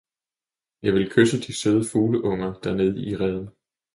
jeg ville kysse de søde fugleunger dernede i reden.